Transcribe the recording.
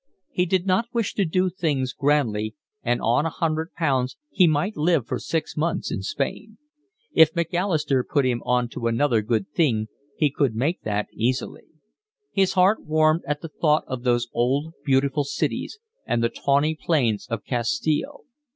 He did not wish to do things grandly, and on a hundred pounds he might live for six months in Spain: if Macalister put him on to another good thing he could make that easily. His heart warmed at the thought of those old beautiful cities, and the tawny plains of Castile.